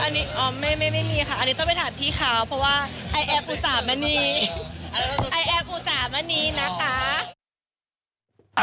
อันนี้อ๋อไม่ไม่มีค่ะอันนี้ต้องไปถามพี่เขา